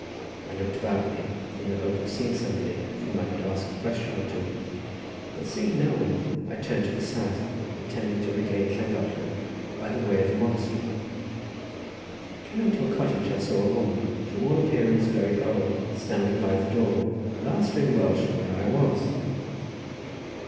I looked about me in the hope of seeing somebody of whom I could ask a question or two, but seeing no one, I turned to the south, intending to regain Llangollen by the way of the monastery. Coming to a cottage, I saw a woman, to all appearance very old, standing by the door, and asked her in Welsh where I was.